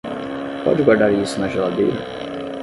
Pode guardar isso na geladeira?